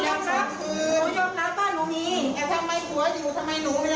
แม่แม่ปรับปรับลูกจนพิณาศีสุดท้าย